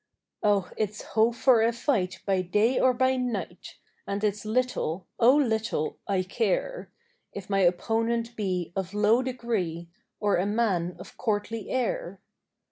Oh, it's ho for a fight by day or by night; And it's little—oh, little—I care If my opponent be of low degree Or a man of courtly air.